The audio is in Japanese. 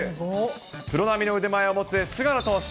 プロ並みの腕前を持つ菅野投手。